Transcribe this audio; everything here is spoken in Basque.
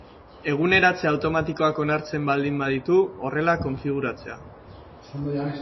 Eguneratze automatikoak onartzen baldin baditu, horrela konfiguratzea.